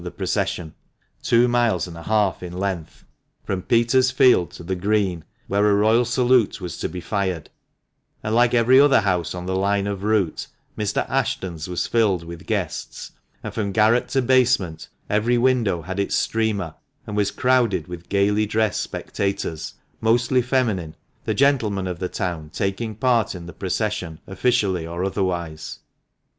the procession (two miles and a half in length) from Peter's Field to the Green, where a royal salute was to be fired ; and like every other house on the line of route, Mr. Ashton's was filled with guests, and from garret to basement every window had its streamer, and was crowded with gaily dressed spectators, mostly feminine, the gentlemen of the town taking part in the procession, officially or otherwise.